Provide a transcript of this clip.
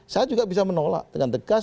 saya juga bisa menolak dengan tegas